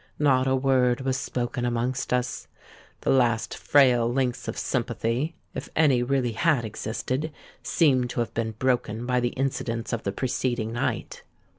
Not a word was spoken amongst us. The last frail links of sympathy—if any really had existed—seemed to have been broken by the incidents of the preceding night.